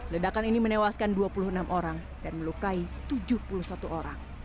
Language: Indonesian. ledakan ini menewaskan dua puluh enam orang dan melukai tujuh puluh satu orang